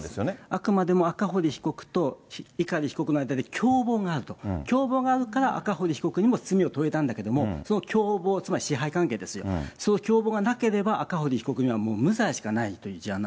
あくまでも赤堀被告と碇被告の間で共謀があると、共謀があるから、赤堀被告にも罪を問えたんだけれども、その共謀、つまり支配関係ですよ、その共謀がなければ赤堀被告には、もう無罪しかないという事案